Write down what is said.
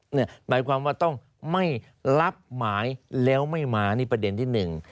หมายความว่าต้องไม่รับหมายแล้วไม่มานี่ประเด็นที่หนึ่ง